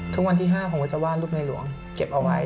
ทุกวันที่๕ผมก็จะวาดรูปในหลวงเก็บเอาไว้